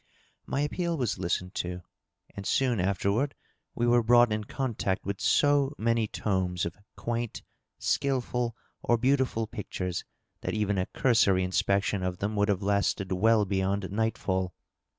My appeal was listened to, and soon afterward we were brought in contact with so many tomes of quaint, skilful or beautiful pictures that even a cursory inspection of them would have lasted well beyond nightfall.